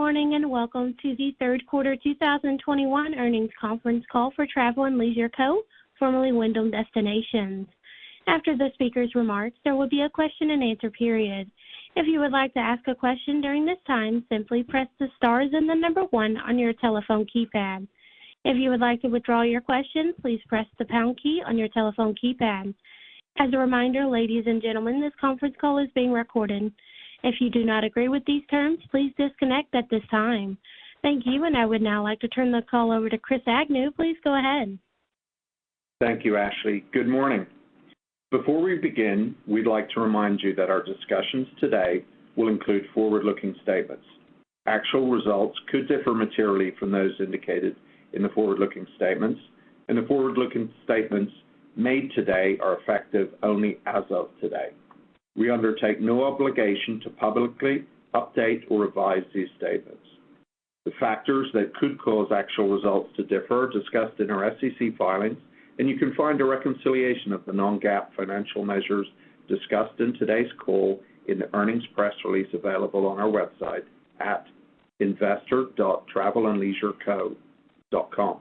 Good morning, and welcome to the third quarter 2021 earnings conference call for Travel + Leisure Co., formerly Wyndham Destinations. After the speakers' remarks, there will be a question-and-answer period. If you would like to ask a question during this time, simply press the star then the number one on your telephone keypad. If you would like to withdraw your question, please press the pound key on your telephone keypad. As a reminder, ladies and gentlemen, this conference call is being recorded. If you do not agree with these terms, please disconnect at this time. Thank you, and I would now like to turn the call over to Chris Agnew. Please go ahead. Thank you, Ashley. Good morning. Before we begin, we'd like to remind you that our discussions today will include forward-looking statements. Actual results could differ materially from those indicated in the forward-looking statements, and the forward-looking statements made today are effective only as of today. We undertake no obligation to publicly update or revise these statements. The factors that could cause actual results to differ are discussed in our SEC filings, and you can find a reconciliation of the non-GAAP financial measures discussed in today's call in the earnings press release available on our website at investor.travelandleisureco.com.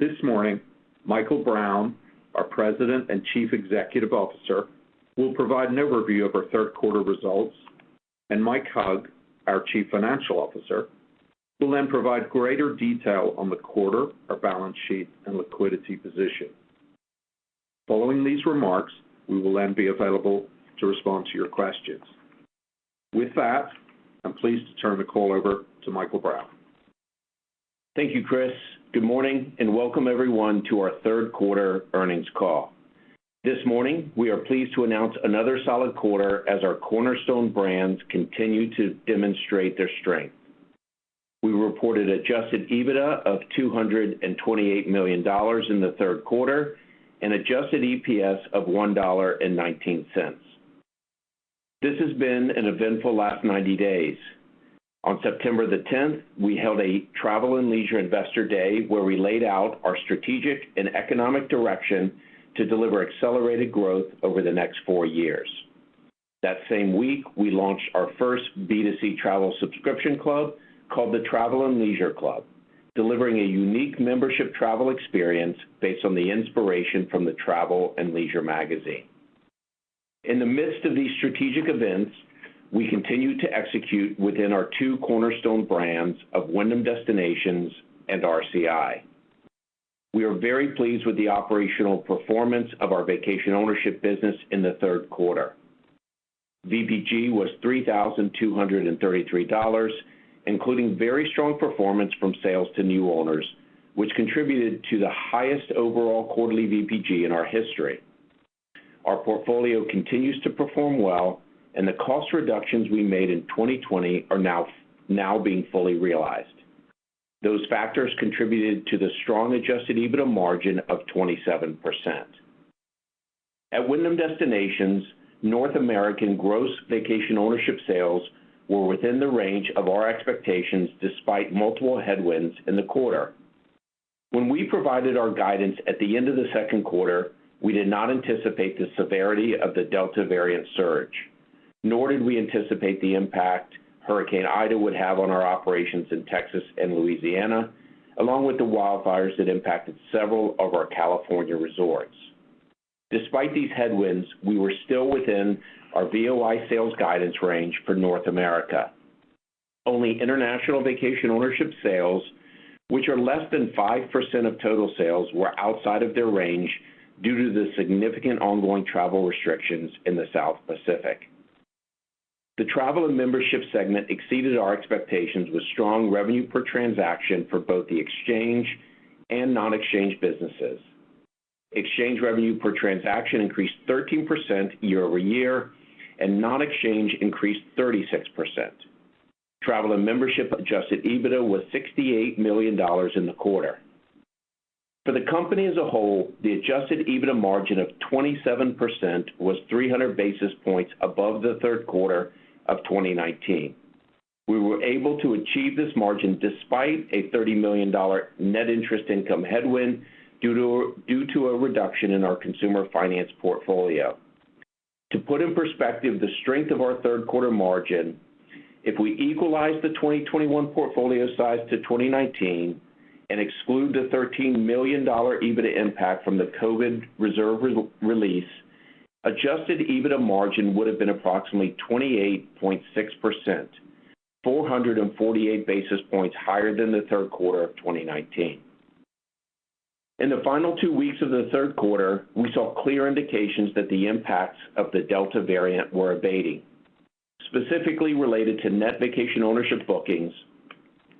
This morning, Michael Brown, our President and Chief Executive Officer, will provide an overview of our third quarter results, and Mike Hug, our Chief Financial Officer, will then provide greater detail on the quarter, our balance sheet, and liquidity position. Following these remarks, we will then be available to respond to your questions. With that, I'm pleased to turn the call over to Michael Brown. Thank you, Chris. Good morning, and welcome everyone to our third quarter earnings call. This morning, we are pleased to announce another solid quarter as our cornerstone brands continue to demonstrate their strength. We reported adjusted EBITDA of $228 million in the third quarter and Adjusted EPS of $1.19. This has been an eventful last 90 days. On September the 10th, we held a Travel + Leisure Investor Day where we laid out our strategic and economic direction to deliver accelerated growth over the next four years. That same week, we launched our first B2C travel subscription club called the Travel + Leisure Club, delivering a unique membership travel experience based on the inspiration from the Travel + Leisure magazine. In the midst of these strategic events, we continue to execute within our two cornerstone brands of Wyndham Destinations and RCI. We are very pleased with the operational performance of our Vacation Ownership business in the third quarter. VPG was $3,233, including very strong performance from sales to new owners, which contributed to the highest overall quarterly VPG in our history. Our portfolio continues to perform well, and the cost reductions we made in 2020 are now being fully realized. Those factors contributed to the strong adjusted EBITDA margin of 27%. At Wyndham Destinations, North American gross Vacation Ownership sales were within the range of our expectations despite multiple headwinds in the quarter. When we provided our guidance at the end of the second quarter, we did not anticipate the severity of the Delta variant surge, nor did we anticipate the impact Hurricane Ida would have on our operations in Texas and Louisiana, along with the wildfires that impacted several of our California resorts. Despite these headwinds, we were still within our VOI sales guidance range for North America. Only international Vacation Ownership sales, which are less than 5% of total sales, were outside of their range due to the significant ongoing travel restrictions in the South Pacific. The Travel and Membership segment exceeded our expectations with strong revenue per transaction for both the exchange and non-exchange businesses. Exchange revenue per transaction increased 13% year-over-year, and non-exchange increased 36%. Travel and Membership adjusted EBITDA was $68 million in the quarter. For the company as a whole, the adjusted EBITDA margin of 27% was 300 basis points above the third quarter of 2019. We were able to achieve this margin despite a $30 million net interest income headwind due to a reduction in our consumer finance portfolio. To put in perspective the strength of our third quarter margin, if we equalize the 2021 portfolio size to 2019 and exclude the $13 million EBITDA impact from the COVID reserve re-release, adjusted EBITDA margin would have been approximately 28.6%, 448 basis points higher than the third quarter of 2019. In the final two weeks of the third quarter, we saw clear indications that the impacts of the Delta variant were abating, specifically related to net Vacation Ownership bookings.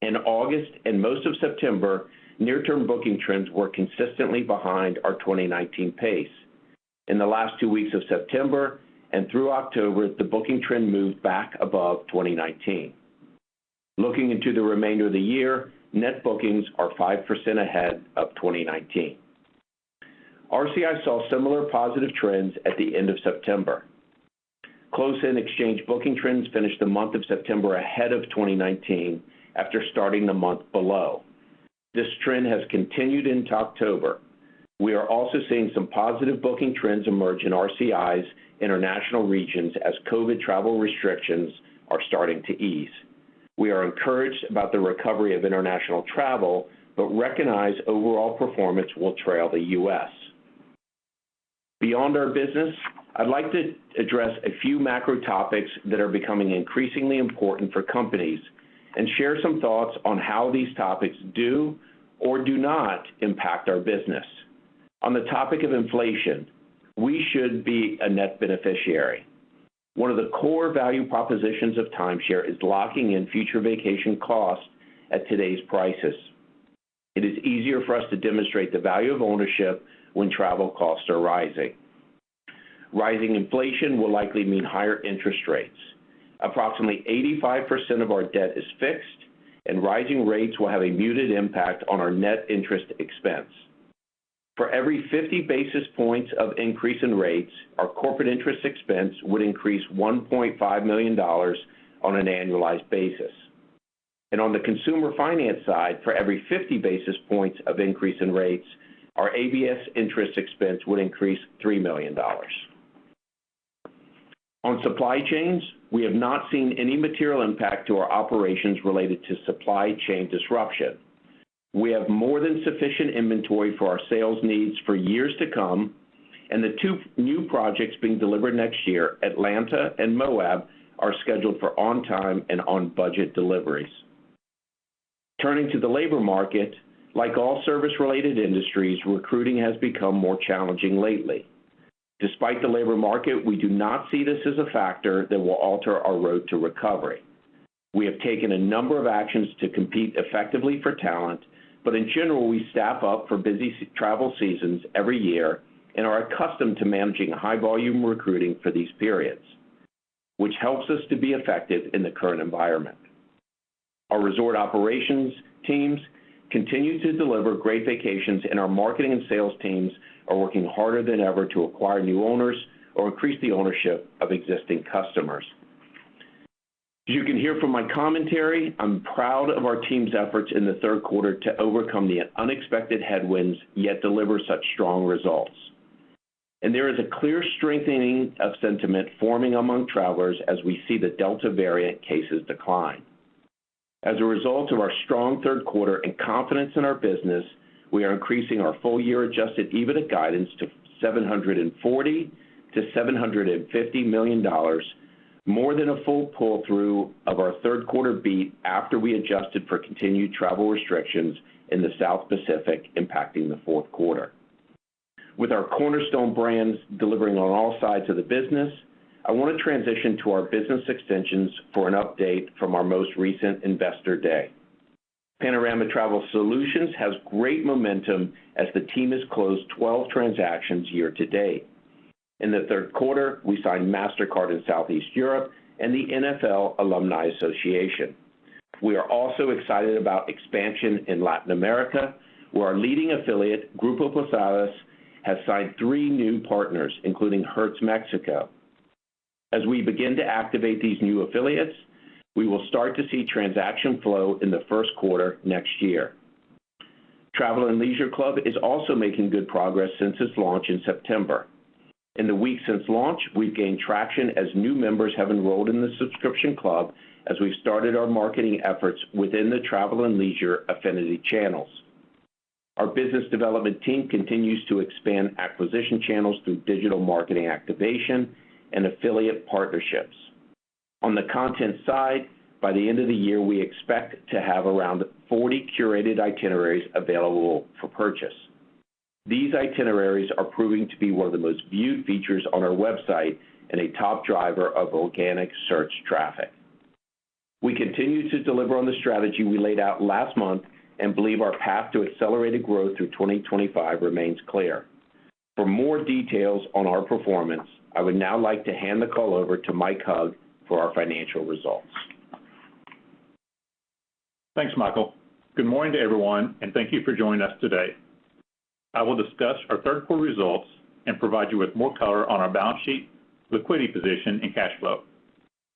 In August and most of September, near-term booking trends were consistently behind our 2019 pace. In the last two weeks of September and through October, the booking trend moved back above 2019. Looking into the remainder of the year, net bookings are 5% ahead of 2019. RCI saw similar positive trends at the end of September. Close-in exchange booking trends finished the month of September ahead of 2019 after starting the month below. This trend has continued into October. We are also seeing some positive booking trends emerge in RCI's international regions as COVID travel restrictions are starting to ease. We are encouraged about the recovery of international travel, but recognize overall performance will trail the U.S. Beyond our business, I'd like to address a few macro topics that are becoming increasingly important for companies and share some thoughts on how these topics do or do not impact our business. On the topic of inflation, we should be a net beneficiary. One of the core value propositions of timeshare is locking in future vacation costs at today's prices. It is easier for us to demonstrate the value of ownership when travel costs are rising. Rising inflation will likely mean higher interest rates. Approximately 85% of our debt is fixed, and rising rates will have a muted impact on our net interest expense. For every 50 basis points of increase in rates, our corporate interest expense would increase $1.5 million on an annualized basis. On the consumer finance side, for every 50 basis points of increase in rates, our ABS interest expense would increase $3 million. On supply chains, we have not seen any material impact to our operations related to supply chain disruption. We have more than sufficient inventory for our sales needs for years to come, and the two new projects being delivered next year, Atlanta and Moab, are scheduled for on-time and on-budget deliveries. Turning to the labor market, like all service-related industries, recruiting has become more challenging lately. Despite the labor market, we do not see this as a factor that will alter our road to recovery. We have taken a number of actions to compete effectively for talent, but in general, we staff up for busy travel seasons every year and are accustomed to managing high-volume recruiting for these periods, which helps us to be effective in the current environment. Our Resort Operations teams continue to deliver great vacations, and our marketing and sales teams are working harder than ever to acquire new owners or increase the ownership of existing customers. As you can hear from my commentary, I'm proud of our team's efforts in the third quarter to overcome the unexpected headwinds, yet deliver such strong results. There is a clear strengthening of sentiment forming among travelers as we see the Delta variant cases decline. As a result of our strong third quarter and confidence in our business, we are increasing our full year adjusted EBITDA guidance to $740 million-$750 million, more than a full pull through of our third quarter beat after we adjusted for continued travel restrictions in the South Pacific impacting the fourth quarter. With our cornerstone brands delivering on all sides of the business, I wanna transition to our business extensions for an update from our most recent Investor Day. Panorama Travel Solutions has great momentum as the team has closed 12 transactions year to date. In the third quarter, we signed Mastercard in Southeast Europe and the NFL Alumni Association. We are also excited about expansion in Latin America, where our leading affiliate, Grupo Posadas, has signed three new partners, including Hertz Mexico. As we begin to activate these new affiliates, we will start to see transaction flow in the first quarter next year. Travel + Leisure Club is also making good progress since its launch in September. In the weeks since launch, we've gained traction as new members have enrolled in the subscription club as we've started our marketing efforts within the Travel + Leisure affinity channels. Our Business Development team continues to expand acquisition channels through digital marketing activation and affiliate partnerships. On the content side, by the end of the year, we expect to have around 40 curated itineraries available for purchase. These itineraries are proving to be one of the most viewed features on our website and a top driver of organic search traffic. We continue to deliver on the strategy we laid out last month and believe our path to accelerated growth through 2025 remains clear. For more details on our performance, I would now like to hand the call over to Mike Hug for our financial results. Thanks, Michael. Good morning to everyone, and thank you for joining us today. I will discuss our third quarter results and provide you with more color on our balance sheet, liquidity position, and cash flow.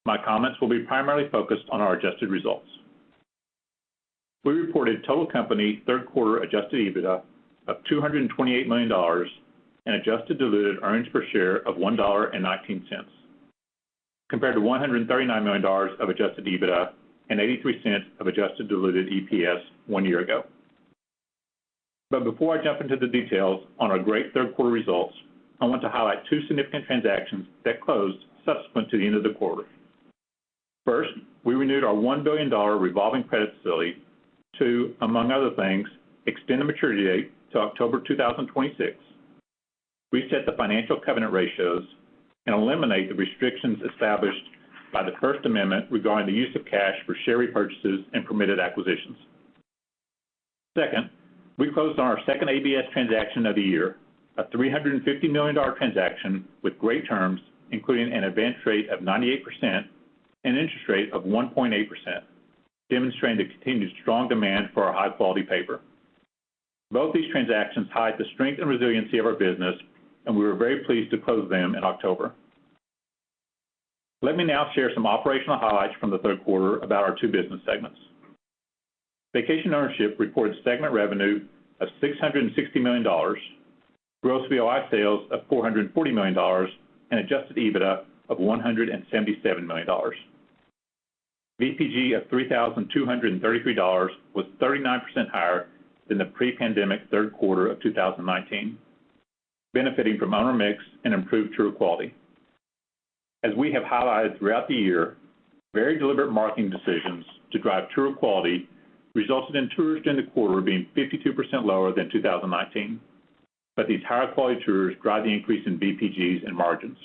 My comments will be primarily focused on our adjusted results. We reported total company third quarter adjusted EBITDA of $228 million and adjusted diluted earnings per share of $1.19, compared to $139 million of adjusted EBITDA and $0.83 of adjusted diluted EPS one year ago. Before I jump into the details on our great third quarter results, I want to highlight two significant transactions that closed subsequent to the end of the quarter. First, we renewed our $1 billion revolving credit facility to, among other things, extend the maturity date to October 2026. We set the financial covenant ratios and eliminate the restrictions established by the first amendment regarding the use of cash for share repurchases and permitted acquisitions. Second, we closed on our second ABS transaction of the year, a $350 million transaction with great terms, including an advance rate of 98% and interest rate of 1.8%, demonstrating the continued strong demand for our high quality paper. Both these transactions highlight the strength and resiliency of our business, and we were very pleased to close them in October. Let me now share some operational highlights from the third quarter about our two business segments. Vacation Ownership reported segment revenue of $660 million, gross VOI sales of $440 million, and adjusted EBITDA of $177 million. VPG of $3,233 was 39% higher than the pre-pandemic third quarter of 2019, benefiting from owner mix and improved tour quality. As we have highlighted throughout the year, very deliberate marketing decisions to drive tour quality resulted in tours in the quarter being 52% lower than 2019. These higher quality tours drive the increase in VPGs and margins.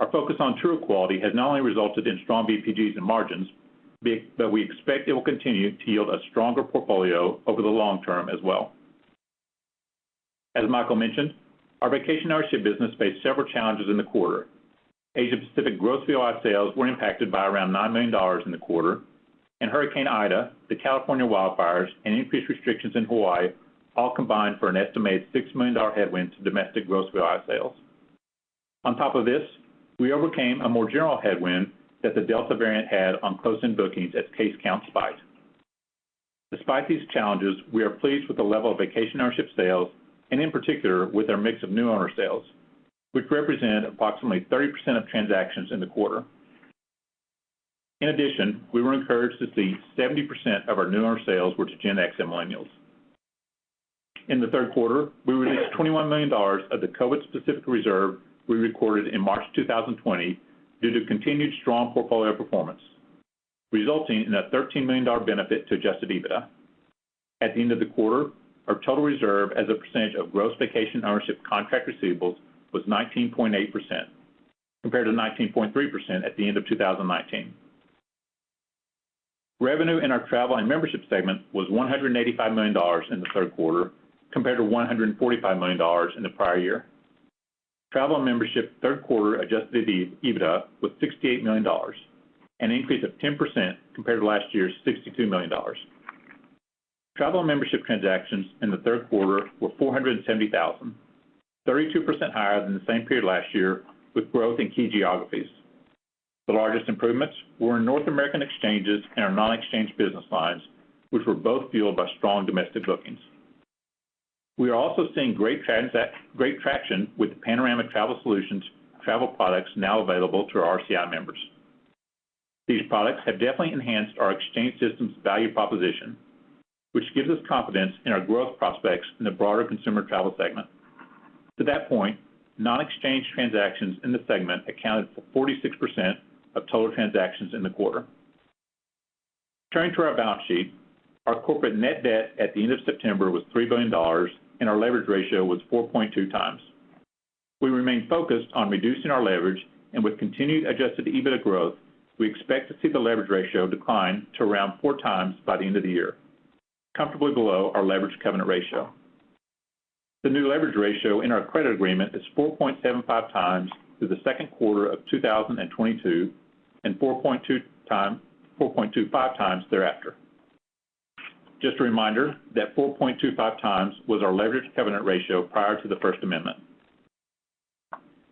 Our focus on tour quality has not only resulted in strong VPGs and margins, but we expect it will continue to yield a stronger portfolio over the long term as well. As Michael mentioned, our Vacation Ownership business faced several challenges in the quarter. Asia-Pacific gross VOI sales were impacted by around $9 million in the quarter, and Hurricane Ida, the California wildfires, and increased restrictions in Hawaii all combined for an estimated $6 million headwind to domestic gross VOI sales. On top of this, we overcame a more general headwind that the Delta variant had on closing bookings as case counts spiked. Despite these challenges, we are pleased with the level of Vacation Ownership sales and, in particular, with our mix of new owner sales, which represent approximately 30% of transactions in the quarter. In addition, we were encouraged to see 70% of our new owner sales were to Gen X and millennials. In the third quarter, we released $21 million of the COVID-specific reserve we recorded in March 2020 due to continued strong portfolio performance, resulting in a $13 million benefit to adjusted EBITDA. At the end of the quarter, our total reserve as a percentage of gross Vacation Ownership contract receivables was 19.8% compared to 19.3% at the end of 2019. Revenue in our Travel and Membership segment was $185 million in the third quarter compared to $145 million in the prior year. Travel and Membership third quarter adjusted EBITDA was $68 million, an increase of 10% compared to last year's $62 million. Travel and Membership transactions in the third quarter were 470,000, 32% higher than the same period last year, with growth in key geographies. The largest improvements were in North American exchanges and our non-exchange business lines, which were both fueled by strong domestic bookings. We are also seeing great traction with the Panorama Travel Solutions travel products now available to our RCI members. These products have definitely enhanced our exchange system's value proposition, which gives us confidence in our growth prospects in the broader consumer travel segment. To that point, non-exchange transactions in the segment accounted for 46% of total transactions in the quarter. Turning to our balance sheet, our corporate net debt at the end of September was $3 billion, and our leverage ratio was 4.2x. We remain focused on reducing our leverage, and with continued adjusted EBITDA growth, we expect to see the leverage ratio decline to around 4x by the end of the year, comfortably below our leverage covenant ratio. The new leverage ratio in our credit agreement is 4.75x through the second quarter of 2022 and 4.25x thereafter. Just a reminder that 4.25x was our leverage covenant ratio prior to the first amendment.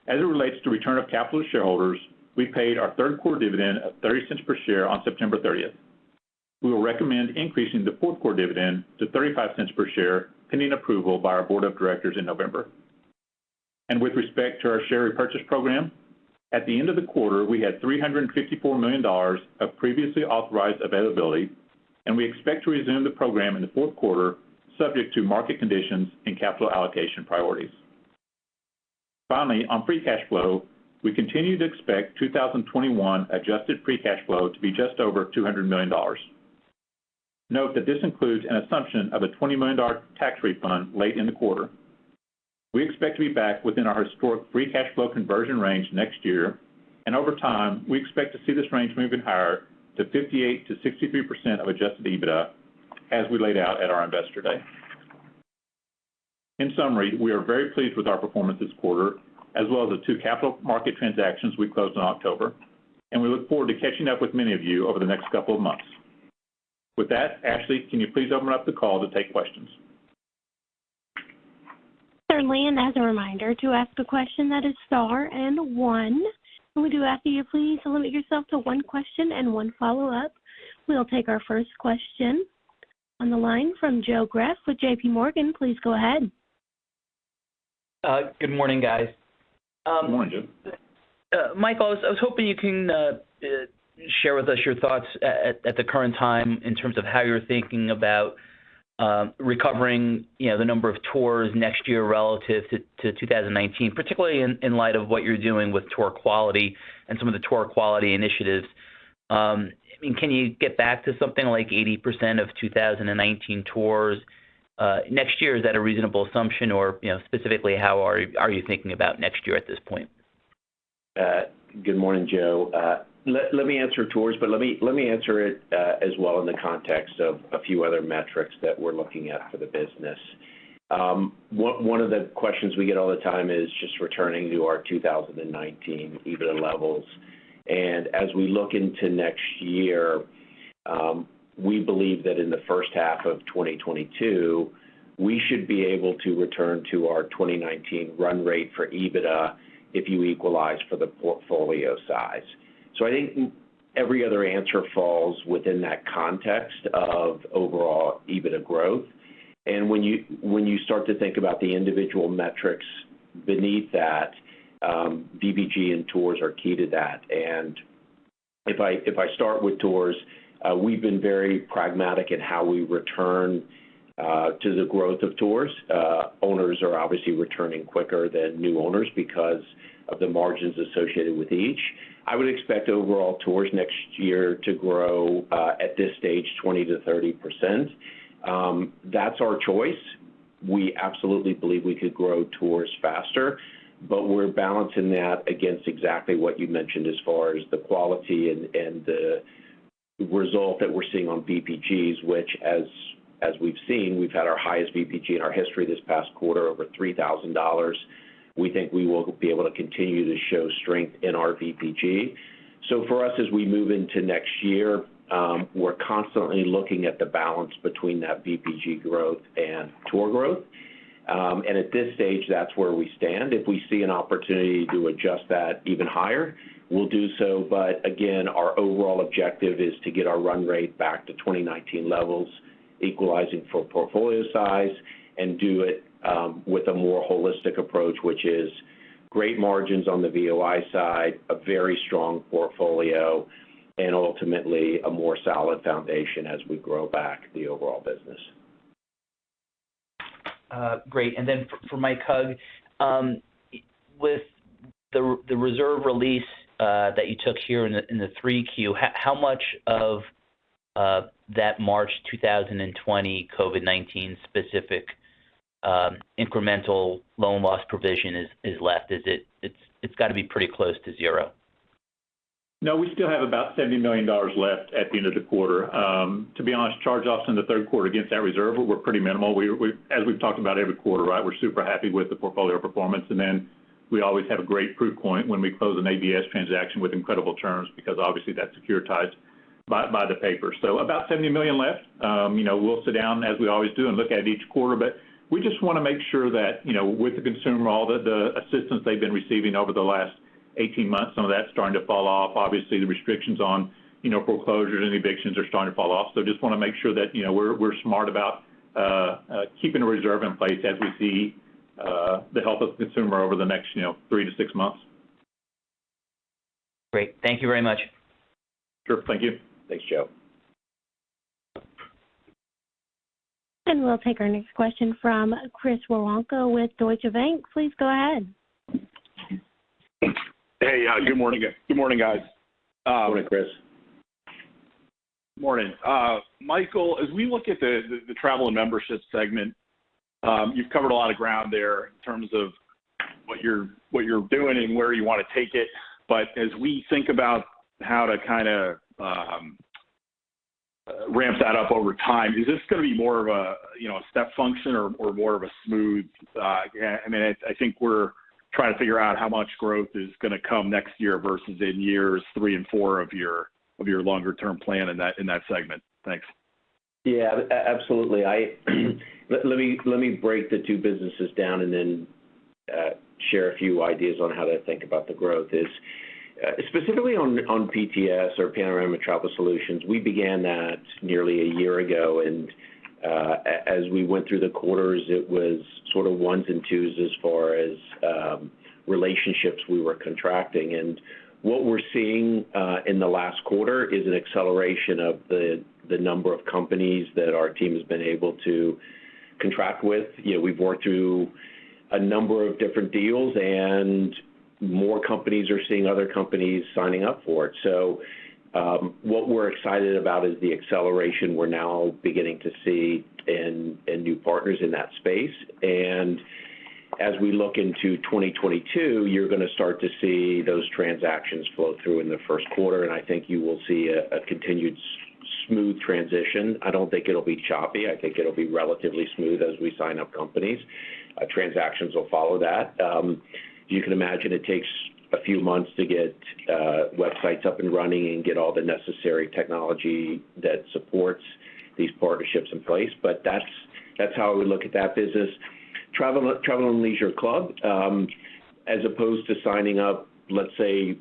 As it relates to return of capital to shareholders, we paid our third quarter dividend of $0.30 per share on September 30th. We will recommend increasing the fourth quarter dividend to $0.35 per share, pending approval by our Board of Directors in November. With respect to our share repurchase program, at the end of the quarter, we had $354 million of previously authorized availability, and we expect to resume the program in the fourth quarter, subject to market conditions and capital allocation priorities. Finally, on free cash flow, we continue to expect 2021 adjusted free cash flow to be just over $200 million. Note that this includes an assumption of a $20 million tax refund late in the quarter. We expect to be back within our historic free cash flow conversion range next year, and over time, we expect to see this range move even higher to 58%-63% of adjusted EBITDA as we laid out at our Investor Day. In summary, we are very pleased with our performance this quarter as well as the two capital market transactions we closed in October. We look forward to catching up with many of you over the next couple of months. With that, Ashley, can you please open up the call to take questions? Certainly, as a reminder to ask a question that is star and one. We do ask that you please limit yourself to one question and one follow-up. We'll take our first question on the line from Joe Greff with JPMorgan. Please go ahead. Good morning. Good morning. Michael, I was hoping you can share with us your thoughts at the current time in terms of how you're thinking about recovering, you know, the number of tours next year relative to 2019, particularly in light of what you're doing with tour quality and some of the tour quality initiatives. I mean, can you get back to something like 80% of 2019 tours next year? Is that a reasonable assumption? Or, you know, specifically, how are you thinking about next year at this point? Good morning, Joe. Let me answer tours, but let me answer it as well in the context of a few other metrics that we're looking at for the business. One of the questions we get all the time is just returning to our 2019 EBITDA levels. As we look into next year We believe that in the first half of 2022, we should be able to return to our 2019 run rate for EBITDA if you equalize for the portfolio size. I think every other answer falls within that context of overall EBITDA growth. When you start to think about the individual metrics beneath that, VPG and tours are key to that. If I start with tours, we've been very pragmatic in how we return to the growth of tours. Owners are obviously returning quicker than new owners because of the margins associated with each. I would expect overall tours next year to grow at this stage 20%-30%. That's our choice. We absolutely believe we could grow tours faster, but we're balancing that against exactly what you mentioned as far as the quality and the result that we're seeing on VPGs, which as we've seen, we've had our highest VPG in our history this past quarter, over $3,000. We think we will be able to continue to show strength in our VPG. For us, as we move into next year, we're constantly looking at the balance between that VPG growth and tour growth. At this stage, that's where we stand. If we see an opportunity to adjust that even higher, we'll do so. Again, our overall objective is to get our run rate back to 2019 levels, equalizing for portfolio size and do it with a more holistic approach, which is great margins on the VOI side, a very strong portfolio, and ultimately a more solid foundation as we grow back the overall business. Great. For Mike Hug, with the reserve release that you took here in the 3Q, how much of that March 2020 COVID-19 specific incremental loan loss provision is left? Is it? It's gotta be pretty close to zero. No, we still have about $70 million left at the end of the quarter. To be honest, charge-offs in the third quarter against that reserve were pretty minimal. As we've talked about every quarter, right? We're super happy with the portfolio performance, and then we always have a great proof point when we close an ABS transaction with incredible terms because obviously that's securitized by the paper. So about $70 million left. You know, we'll sit down as we always do and look at each quarter, but we just wanna make sure that, you know, with the consumer, all the assistance they've been receiving over the last 18 months, some of that's starting to fall off. Obviously, the restrictions on, you know, foreclosures and evictions are starting to fall off. Just wanna make sure that, you know, we're smart about keeping a reserve in place as we see the health of the consumer over the next, you know, three to six months. Great. Thank you very much. Sure. Thank you. Thanks, Joe. We'll take our next question from Chris Woronka with Deutsche Bank. Please go ahead. Hey. Yeah, good morning, guys. Good morning, Chris. Morning. Michael, as we look at the Travel and Membership segment, you've covered a lot of ground there in terms of what you're doing and where you wanna take it. As we think about how to kinda ramp that up over time, is this gonna be more of a, you know, a step function or more of a smooth? I mean, I think we're trying to figure out how much growth is gonna come next year versus in years three and four of your longer term plan in that segment. Thanks. Yeah, absolutely. Let me break the two businesses down and then share a few ideas on how to think about the growth is specifically on PTS or Panorama Travel Solutions. We began that nearly a year ago, and as we went through the quarters, it was sort of ones and twos as far as relationships we were contracting. What we're seeing in the last quarter is an acceleration of the number of companies that our team has been able to contract with. You know, we've worked through a number of different deals and more companies are seeing other companies signing up for it. What we're excited about is the acceleration we're now beginning to see in new partners in that space. As we look into 2022, you're gonna start to see those transactions flow through in the first quarter, and I think you will see a continued smooth transition. I don't think it'll be choppy. I think it'll be relatively smooth as we sign up companies. Transactions will follow that. You can imagine it takes a few months to get websites up and running and get all the necessary technology that supports these partnerships in place, but that's how we look at that business. Travel + Leisure Club as opposed to signing up, let's say,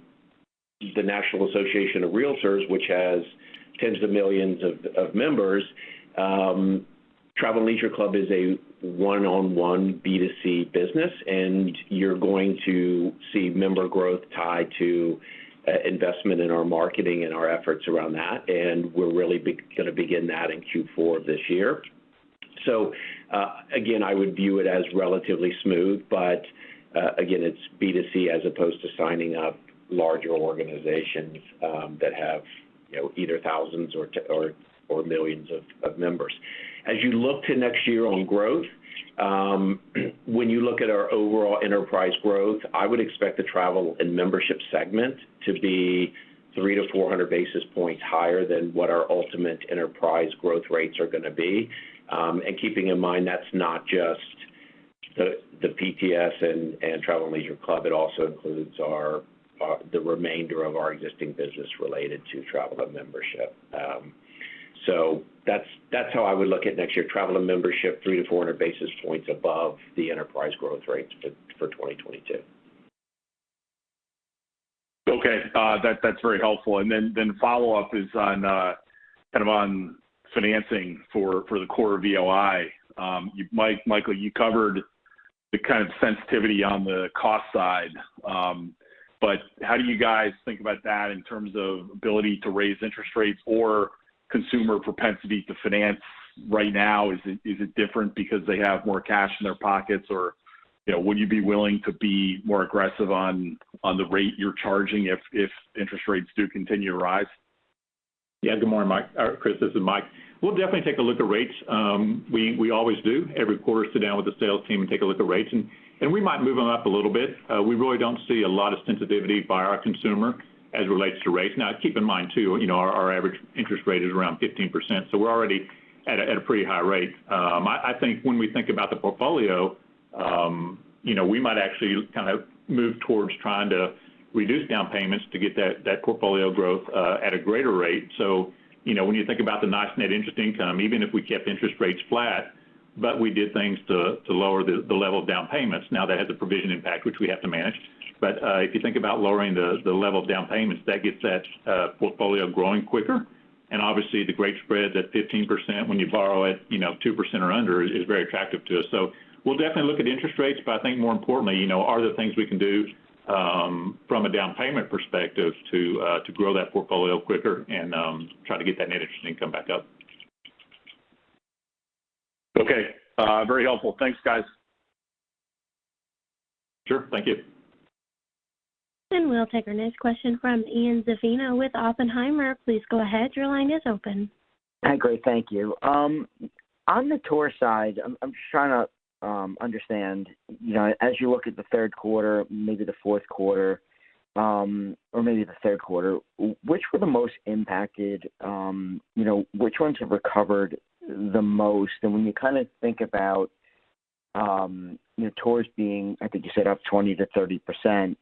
the National Association of REALTORS, which has tens of millions of members. Travel + Leisure Club is a one-on-one B2C business, and you're going to see member growth tied to investment in our marketing and our efforts around that, and we're gonna begin that in Q4 of this year. I would view it as relatively smooth, but again, it's B2C as opposed to signing up larger organizations that have, you know, either thousands or millions of members. As you look to next year on growth, when you look at our overall enterprise growth, I would expect the Travel and Membership segment to be 300 basis points-400 basis points higher than what our ultimate enterprise growth rates are gonna be. Keeping in mind, that's not just the PTS and Travel + Leisure Club, it also includes the remainder of our existing business related to Travel and Membership. That's how I would look at next year Travel and Membership 300 basis points-400 basis points above the enterprise growth rates for 2022. Okay. That's very helpful. Follow-up is on kind of on financing for the core VOI. Michael, you covered the kind of sensitivity on the cost side. How do you guys think about that in terms of ability to raise interest rates or consumer propensity to finance right now? Is it different because they have more cash in their pockets? You know, would you be willing to be more aggressive on the rate you're charging if interest rates do continue to rise? Yeah. Good morning, Chris, this is Mike. We'll definitely take a look at rates. We always do every quarter, sit down with the sales team and take a look at rates, and we might move them up a little bit. We really don't see a lot of sensitivity by our consumer as it relates to rates. Now keep in mind too, you know, our average interest rate is around 15%, so we're already at a pretty high rate. I think when we think about the portfolio, you know, we might actually kind of move towards trying to reduce down payments to get that portfolio growth at a greater rate. You know, when you think about the nice net interest income, even if we kept interest rates flat, but we did things to lower the level of down payments. Now that has a provision impact which we have to manage. If you think about lowering the level of down payments, that gets that portfolio growing quicker. Obviously, the great spread, that 15% when you borrow at, you know, 2% or under is very attractive to us. We'll definitely look at interest rates. I think more importantly, you know, are there things we can do from a down payment perspective to grow that portfolio quicker and try to get that net interest income back up? Okay. Very helpful. Thanks, guys. Sure. Thank you. We'll take our next question from Ian Zaffino with Oppenheimer. Please go ahead. Your line is open. Hi. Great. Thank you. On the tour side, I'm just trying to understand, you know, as you look at the third quarter, maybe the fourth quarter, or maybe the third quarter, which were the most impacted? You know, which ones have recovered the most? When you kind of think about, you know, tours being, I think you said up 20%-30%,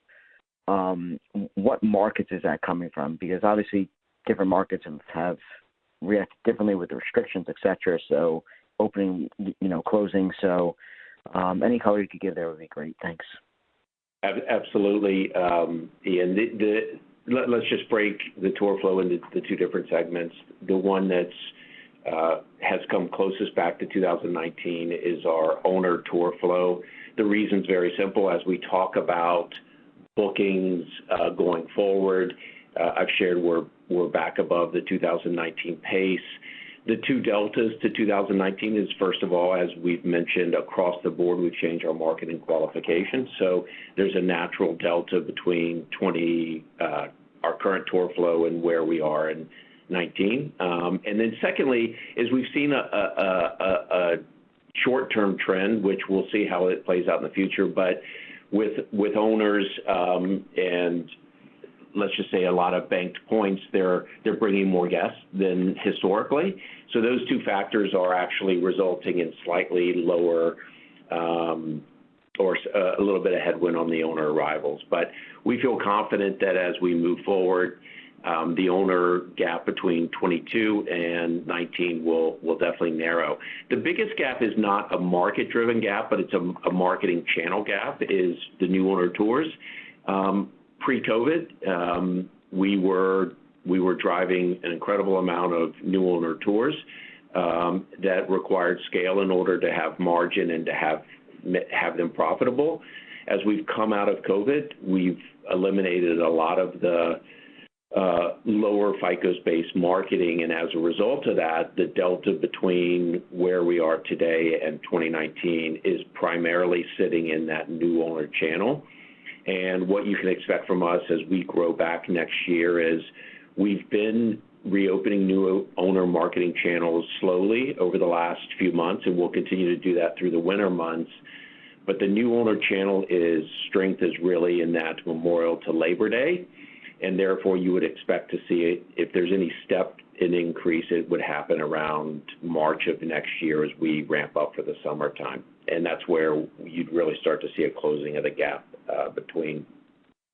what markets is that coming from? Because obviously different markets have reacted differently with the restrictions, et cetera, so opening, you know, closing. Any color you could give there would be great. Thanks. Absolutely, Ian. Let's just break the tour flow into the two different segments. The one that's has come closest back to 2019 is our owner tour flow. The reason's very simple. As we talk about bookings going forward, I've shared we're back above the 2019 pace. The two deltas to 2019 is first of all, as we've mentioned across the Board, we've changed our marketing qualifications. There's a natural delta between our current tour flow and where we are in 2019. Secondly is we've seen a short-term trend, which we'll see how it plays out in the future, but with owners and let's just say a lot of banked points, they're bringing more guests than historically. Those two factors are actually resulting in slightly lower, a little bit of headwind on the owner arrivals. We feel confident that as we move forward, the owner gap between 2022 and 2019 will definitely narrow. The biggest gap is not a market-driven gap, but it's a marketing channel gap, is the new owner tours. Pre-COVID, we were driving an incredible amount of new owner tours that required scale in order to have margin and to have them profitable. As we've come out of COVID, we've eliminated a lot of the lower FICO-based marketing, and as a result of that, the delta between where we are today and 2019 is primarily sitting in that new owner channel. What you can expect from us as we grow back next year is we've been reopening new owner marketing channels slowly over the last few months, and we'll continue to do that through the winter months. The new owner channel's strength is really in that Memorial Day to Labor Day, and therefore you would expect to see if there's any step in increase, it would happen around March of next year as we ramp up for the summertime. That's where you'd really start to see a closing of the gap between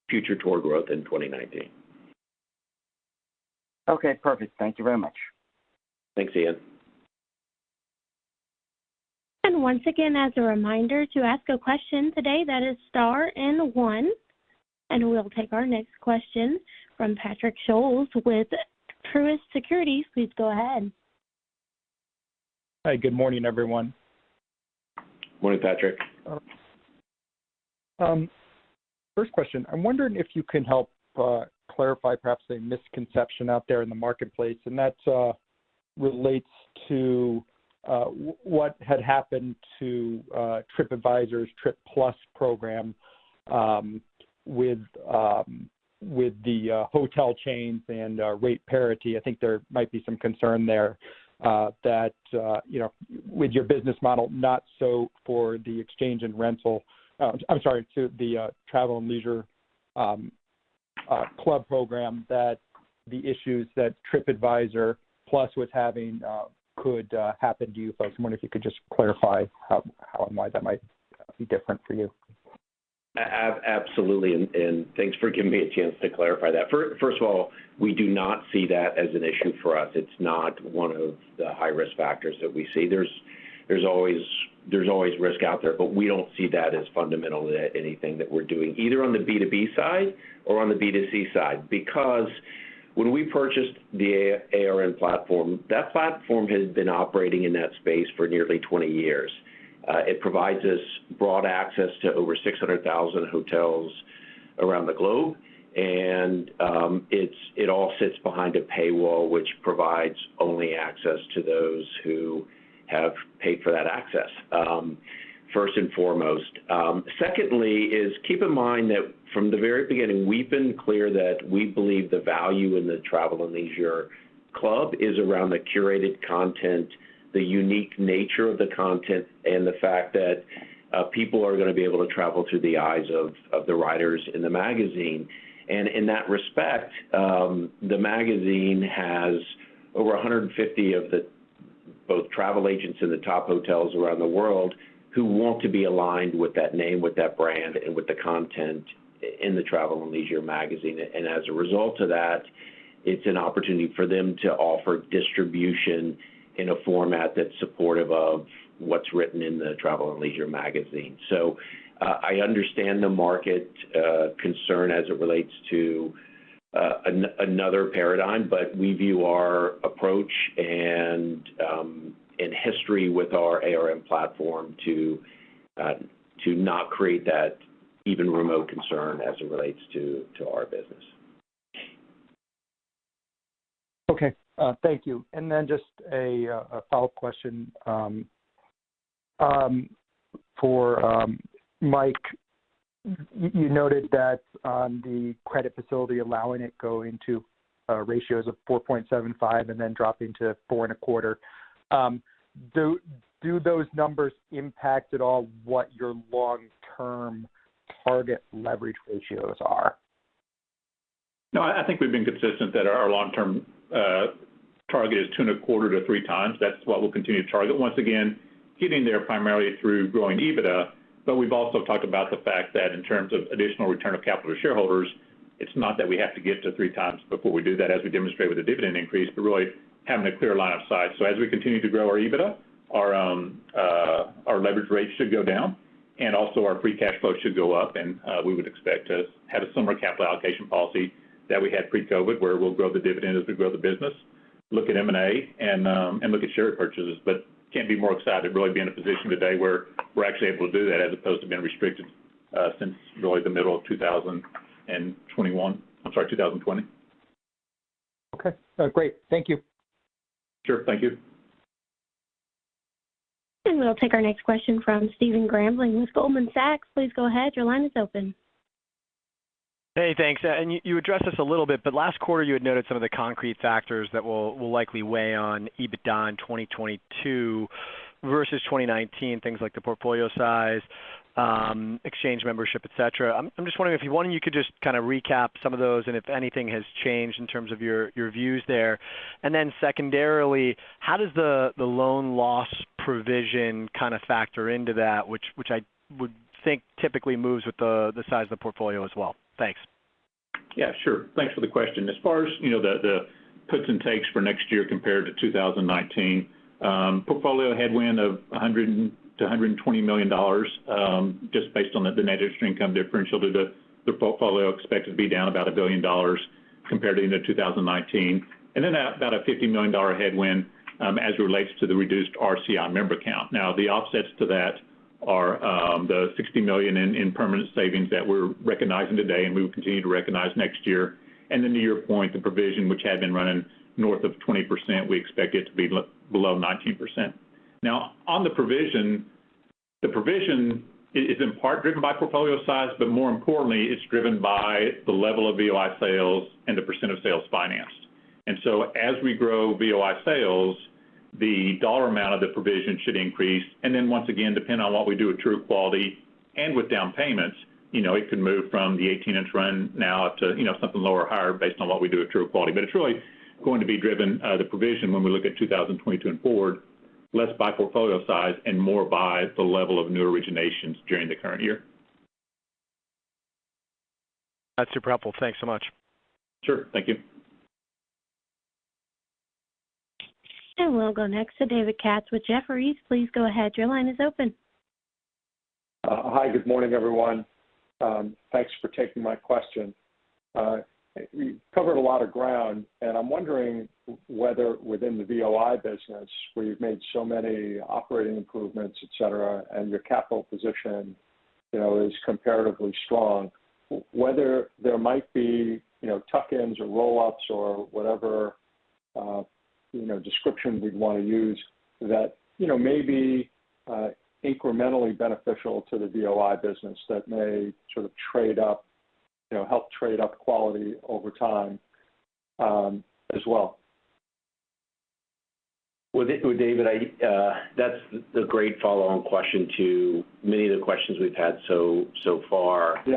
future tour growth in 2019. Okay. Perfect. Thank you very much. Thanks, Ian. Once again, as a reminder to ask a question today, that is star one, and we'll take our next question from Patrick Scholes with Truist Securities. Please go ahead. Hi. Good morning, everyone. Morning, Patrick. First question, I'm wondering if you can help clarify perhaps a misconception out there in the marketplace, and that relates to what had happened to TripAdvisor's Trip Plus program with the hotel chains and rate parity. I think there might be some concern there that you know with your business model, not so for the exchange and rental. I'm sorry, to the Travel + Leisure Club program that the issues that TripAdvisor Plus was having could happen to you folks. I wonder if you could just clarify how and why that might be different for you. Absolutely. Thanks for giving me a chance to clarify that. First of all, we do not see that as an issue for us. It's not one of the high-risk factors that we see. There's always risk out there, but we don't see that as fundamental to anything that we're doing, either on the B2B side or on the B2C side. Because when we purchased the ARN platform, that platform has been operating in that space for nearly 20 years. It provides us broad access to over 600,000 hotels around the globe, and it all sits behind a paywall, which provides only access to those who have paid for that access, first and foremost. Second, keep in mind that from the very beginning, we've been clear that we believe the value in the Travel + Leisure Club is around the curated content, the unique nature of the content, and the fact that people are gonna be able to travel through the eyes of the writers in the magazine. In that respect, the magazine has over 150 of the top hotels around the world who want to be aligned with that name, with that brand, and with the content in the Travel + Leisure magazine. As a result of that, it's an opportunity for them to offer distribution in a format that's supportive of what's written in the Travel + Leisure magazine. I understand the market concern as it relates to another paradigm, but we view our approach and history with our ARN platform to not create that even remote concern as it relates to our business. Okay. Thank you. Just a follow-up question for Mike. You noted that on the credit facility allowing it to go into ratios of 4.75x and then dropping to 4.25x. Do those numbers impact at all what your long-term target leverage ratios are? No, I think we've been consistent that our long-term target is 2.25x-3x That's what we'll continue to target. Once again, getting there primarily through growing EBITDA, but we've also talked about the fact that in terms of additional return of capital to shareholders, it's not that we have to get to 3x before we do that, as we demonstrated with the dividend increase, but really having a clear line of sight. As we continue to grow our EBITDA, our leverage rates should go down, and also our free cash flow should go up. We would expect to have a similar capital allocation policy that we had pre-COVID, where we'll grow the dividend as we grow the business, look at M&A, and look at share purchases. I can't be more excited to really be in a position today where we're actually able to do that as opposed to being restricted since really the middle of 2020. Okay. Great. Thank you. Sure. Thank you. We'll take our next question from Stephen Grambling with Goldman Sachs. Please go ahead. Your line is open. Hey, thanks. You addressed this a little bit, but last quarter you had noted some of the concrete factors that will likely weigh on EBITDA in 2022 versus 2019, things like the portfolio size, exchange membership, et cetera. I'm just wondering if you could just kinda recap some of those and if anything has changed in terms of your views there. Then secondarily, how does the loan loss provision kinda factor into that, which I would think typically moves with the size of the portfolio as well? Thanks. Yeah, sure. Thanks for the question. As far as, you know, the puts and takes for next year compared to 2019, portfolio headwind of $100 million-$120 million, just based on the net interest income differential to the portfolio expected to be down about $1 billion compared to end of 2019. About a $50 million headwind, as it relates to the reduced RCI member count. Now, the offsets to that are, the $60 million in permanent savings that we're recognizing today and we will continue to recognize next year. To your point, the provision which had been running north of 20%, we expect it to be below 19%. Now, on the provision, the provision is in part driven by portfolio size, but more importantly, it's driven by the level of VOI sales and the percent of sales financed. As we grow VOI sales, the dollar amount of the provision should increase. Once again, depending on what we do with tour quality and with down payments, you know, it could move from the 18% run now to, you know, something lower or higher based on what we do with tour quality. It's really going to be driven, the provision when we look at 2022 and forward, less by portfolio size and more by the level of new originations during the current year. That's super helpful. Thanks so much. Sure. Thank you. We'll go next to David Katz with Jefferies. Please go ahead. Your line is open. Hi. Good morning, everyone. Thanks for taking my question. You've covered a lot of ground, and I'm wondering whether within the VOI business where you've made so many operating improvements, et cetera, and your capital position, you know, is comparatively strong, whether there might be, you know, tuck-ins or roll-ups or whatever, you know, description we'd wanna use that, you know, may be, incrementally beneficial to the VOI business that may sort of trade up, you know, help trade up quality over time, as well. Well, David, I, that's a great follow-on question to many of the questions we've had so far. Yeah.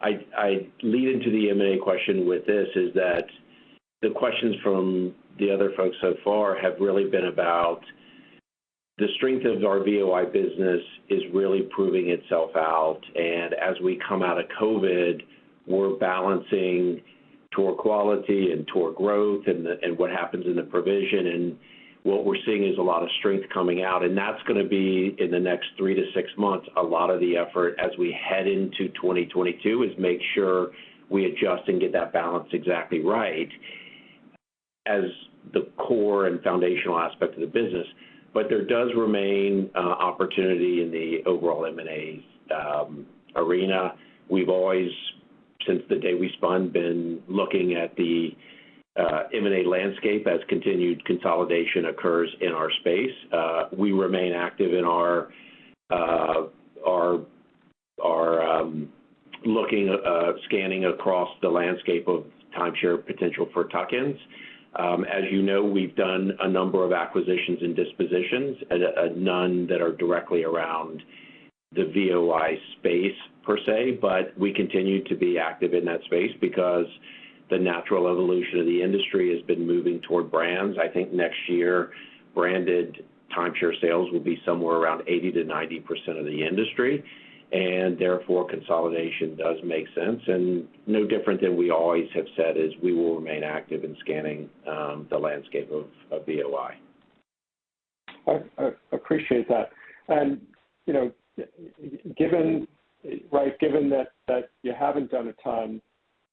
I lead into the M&A question with this, that the questions from the other folks so far have really been about the strength of our VOI business really proving itself out. As we come out of COVID, we're balancing tour quality and tour growth and what happens in the provision. What we're seeing is a lot of strength coming out, and that's gonna be in the next three to six months. A lot of the effort as we head into 2022 is to make sure we adjust and get that balance exactly right as the core and foundational aspect of the business. There does remain opportunity in the overall M&A arena. We've always, since the day we spun, been looking at the M&A landscape as continued consolidation occurs in our space. We remain active in our scanning across the landscape of timeshare potential for tuck-ins. As you know, we've done a number of acquisitions and dispositions, none that are directly around the VOI space per se, but we continue to be active in that space because the natural evolution of the industry has been moving toward brands. I think next year branded timeshare sales will be somewhere around 80%-90% of the industry, and therefore consolidation does make sense. No different than we always have said is we will remain active in scanning the landscape of VOI. I appreciate that. Given that you haven't done a ton,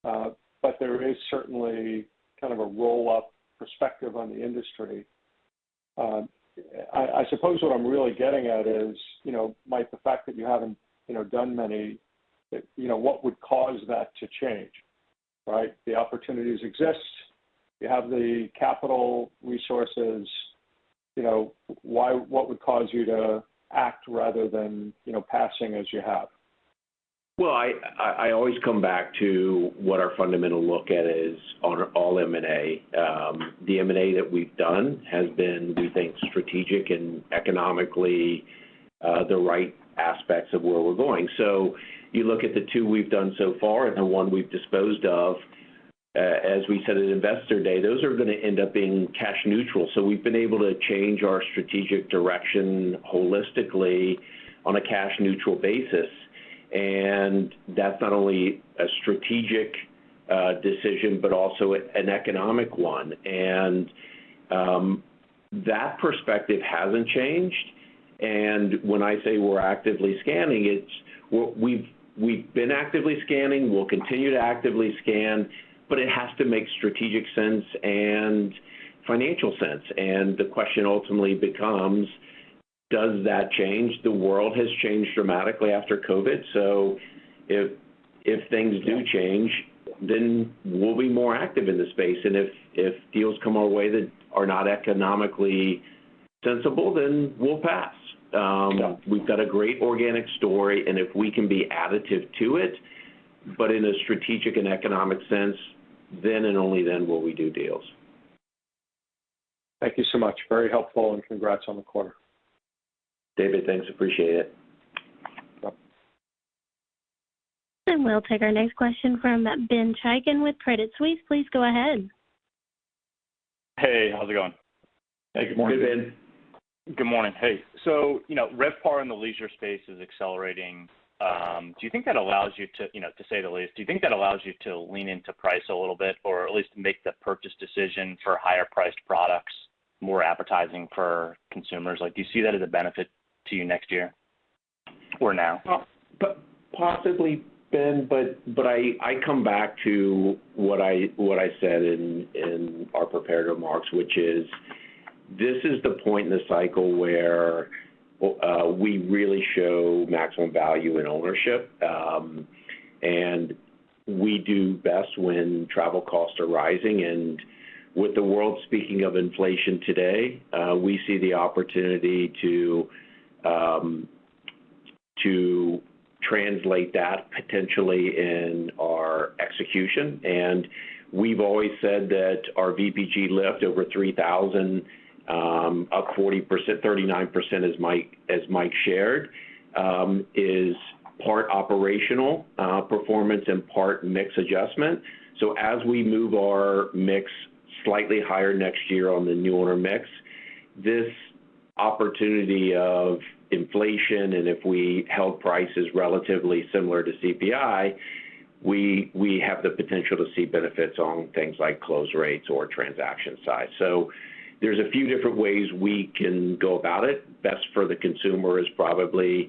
but there is certainly kind of a roll-up perspective on the industry. I suppose what I'm really getting at is, you know, Mike, the fact that you haven't, you know, done many, you know, what would cause that to change, right? The opportunities exist. You have the capital resources. You know, what would cause you to act rather than, you know, passing as you have? Well, I always come back to what our fundamental look at is on all M&A. The M&A that we've done has been, we think, strategic and economically, the right aspects of where we're going. You look at the two we've done so far and the one we've disposed of, as we said at Investor Day, those are gonna end up being cash neutral. We've been able to change our strategic direction holistically on a cash-neutral basis. That's not only a strategic, decision but also an economic one. That perspective hasn't changed. When I say we're actively scanning, we've been actively scanning, we'll continue to actively scan, but it has to make strategic sense and financial sense. The question ultimately becomes, does that change? The world has changed dramatically after COVID. If things do change, then we'll be more active in the space. If deals come our way that are not economically sensible, then we'll pass. We've got a great organic story, and if we can be additive to it, but in a strategic and economic sense, then and only then will we do deals. Thank you so much. Very helpful and congrats on the quarter. David, thanks. I appreciate it. Yep. We'll take our next question from Ben Chaiken with Credit Suisse. Please go ahead. Hey, how's it going? Hey, good morning. Hey, Ben. Good morning. Hey, so, you know, RevPAR in the leisure space is accelerating. Do you think that allows you to, you know, to say the least, do you think that allows you to lean into price a little bit, or at least make the purchase decision for higher priced products more appetizing for consumers? Like, do you see that as a benefit to you next year or now? Possibly, Ben, but I come back to what I said in our prepared remarks, which is this is the point in the cycle where we really show maximum value in ownership. We do best when travel costs are rising. With the world speaking of inflation today, we see the opportunity to translate that potentially in our execution. We've always said that our VPG lift over 3,000, up 40%, 39%, as Mike shared, is part operational performance and part mix adjustment. As we move our mix slightly higher next year on the new owner mix, this opportunity of inflation, and if we held prices relatively similar to CPI, we have the potential to see benefits on things like close rates or transaction size. There's a few different ways we can go about it. Best for the consumer is probably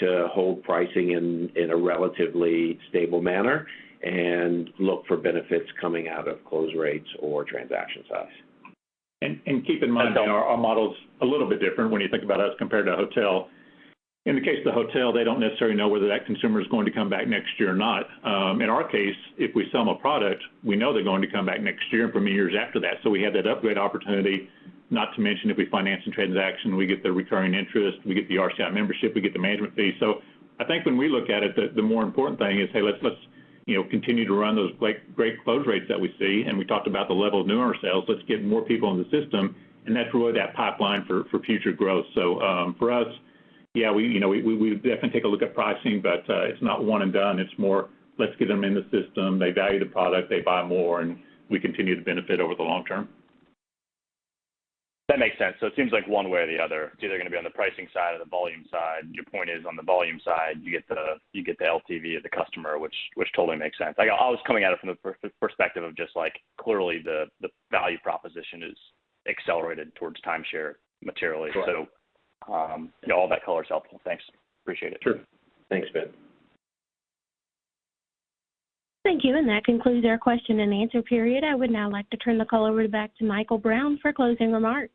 to hold pricing in a relatively stable manner and look for benefits coming out of close rates or transaction size. Keep in mind, our model's a little bit different when you think about us compared to a hotel. In the case of the hotel, they don't necessarily know whether that consumer is going to come back next year or not. In our case, if we sell them a product, we know they're going to come back next year and for many years after that. We have that upgrade opportunity. Not to mention if we finance the transaction, we get the recurring interest, we get the RCI membership, we get the management fee. I think when we look at it, the more important thing is, hey, let's you know, continue to run those great close rates that we see, and we talked about the level of newer sales. Let's get more people in the system, and that's really that pipeline for future growth. For us, yeah, we definitely take a look at pricing, but it's not one and done. It's more let's get them in the system. They value the product, they buy more, and we continue to benefit over the long term. That makes sense. It seems like one way or the other, it's either gonna be on the pricing side or the volume side. Your point is on the volume side, you get the LTV of the customer, which totally makes sense. I was coming at it from the perspective of just like, clearly the value proposition is accelerated towards timeshare materially. Correct. All that color is helpful. Thanks. Appreciate it. Sure. Thanks, Ben. Thank you. That concludes our question-and-answer period. I would now like to turn the call over back to Michael Brown for closing remarks.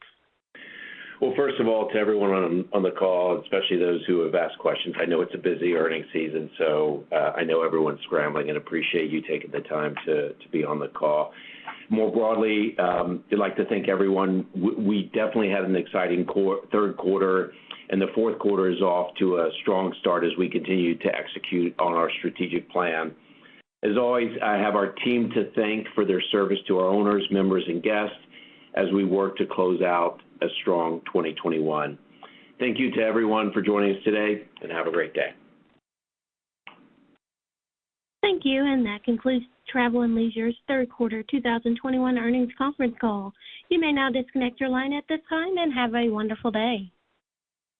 Well, first of all, to everyone on the call, especially those who have asked questions. I know it's a busy earnings season, so I know everyone's scrambling and appreciate you taking the time to be on the call. More broadly, we'd like to thank everyone. We definitely had an exciting third quarter, and the fourth quarter is off to a strong start as we continue to execute on our strategic plan. As always, I have our team to thank for their service to our owners, members, and guests as we work to close out a strong 2021. Thank you to everyone for joining us today, and have a great day. Thank you. That concludes Travel + Leisure's third quarter 2021 earnings conference call. You may now disconnect your line at this time, and have a wonderful day.